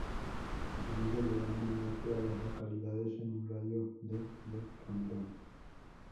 El siguiente diagrama muestra a las localidades en un radio de de Cameron.